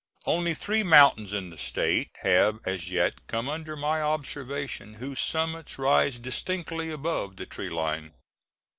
Only three mountains in the State have as yet come under my observation whose summits rise distinctly above the treeline.